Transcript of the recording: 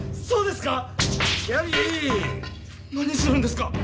そうですか！？